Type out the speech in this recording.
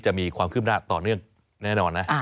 จะมีความคืบหน้าต่อเนื่องแน่นอนนะ